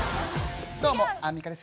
どうもアンミカです。